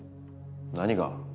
何が？